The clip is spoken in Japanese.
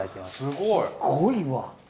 すごいわ。